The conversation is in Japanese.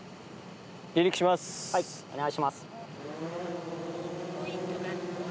はいお願いします。